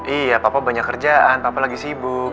iya papa banyak kerjaan papa lagi sibuk